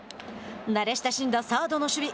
慣れ親しんだサードの守備。